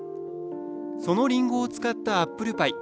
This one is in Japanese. そのりんごを使ったアップルパイ。